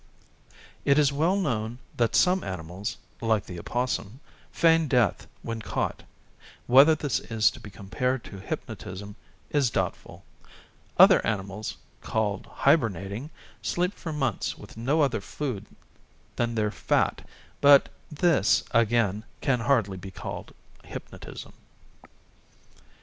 It is well known that some animals, like the opossum, feign death when caught. Whether this is to be compared to hypnotism is doubtful. Other animals, called hibernating, sleep for months with no other food than their fat, but this, again, can hardly be called hypnotism.